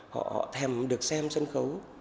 họ thèm được xem sân khấu